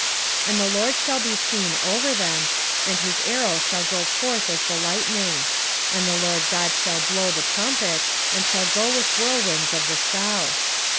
9:14 And the LORD shall be seen over them, and his arrow shall go forth as the lightning: and the LORD God shall blow the trumpet, and shall go with whirlwinds of the south.